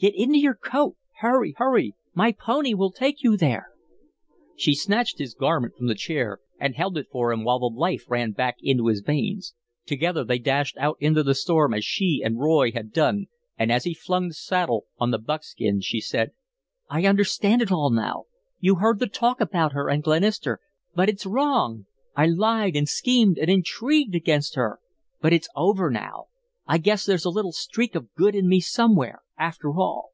"Get into your coat. Hurry! Hurry! My pony will take you there." She snatched his garment from the chair and held it for him while the life ran back into his veins. Together they dashed out into the storm as she and Roy had done, and as he flung the saddle on the buckskin, she said: "I understand it all now. You heard the talk about her and Glenister; but it's wrong. I lied and schemed and intrigued against her, but it's over now. I guess there's a little streak of good in me somewhere, after all."